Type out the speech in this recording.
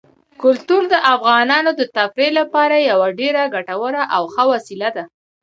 کلتور د افغانانو د تفریح لپاره یوه ډېره ګټوره او ښه وسیله ده.